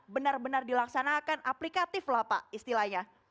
benar benar dilaksanakan aplikatif lah pak istilahnya